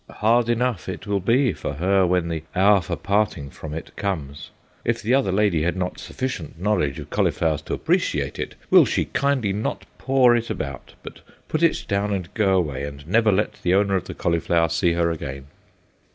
Hard enough it will be for her when the hour for parting from it comes. If the other lady has not sufficient knowledge of cauliflowers to appreciate it, will she kindly not paw it about, but put it down and go away, and never let the owner of the cauliflower see her again.